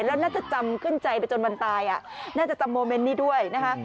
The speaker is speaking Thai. แล้วน่าจะจำขึ้นใจไปจนวันตายน่าจะจำโมเมนต์นี้ด้วยนะคะ